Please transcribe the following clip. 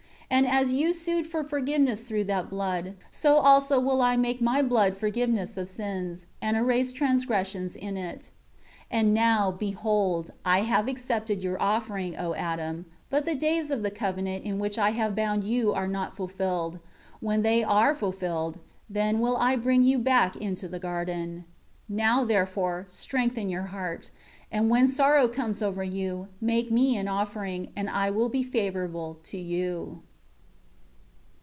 5 And as you sued for forgiveness through that blood, so also will I make My blood forgiveness of sins, and erase transgressions in it. 6 And now, behold, I have accepted your offering, O Adam, but the days of the covenant in which I have bound you are not fulfilled. When they are fulfilled, then will I bring you back into the garden. 7 Now, therefore, strengthen your heart; and when sorrow comes over you, make Me an offering, and I will be favorable to you."